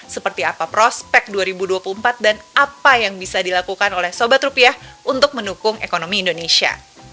seperti apa prospek dua ribu dua puluh empat dan apa yang bisa dilakukan oleh sobat rupiah untuk mendukung ekonomi indonesia